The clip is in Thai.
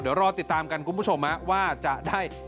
เดี๋ยวรอติดตามกันคุณผู้ชมว่าจะได้